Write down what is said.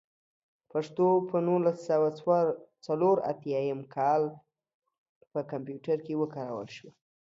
پښتو په نولس سوه څلور اتيايم کال کې په کمپيوټر کې وکارول شوه.